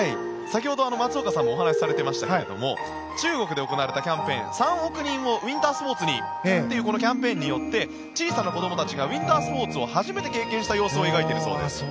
先ほど松岡さんもお話しされていましたが中国で行われたキャンペーン３億人をウィンタースポーツにというこのキャンペーン小さな子どもたちがウィンタースポーツを初めて経験した様子を描いているそうです。